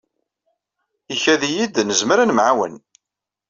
Ikad-iyi-d nezmer ad nemɛawan.